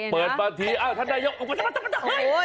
เปิดประทีอ้าวท่านได้ยอมอ้าว